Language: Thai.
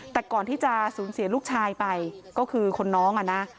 แต่ก่อนที่จะสูญเสียลูกชายไปก็คือคนน้องอ่ะนะ